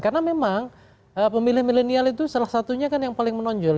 karena memang pemilih milenial itu salah satunya kan yang paling menonjol